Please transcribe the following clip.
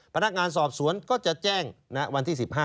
พนักงานสอบสวนก็จะแจ้งวันที่๑๕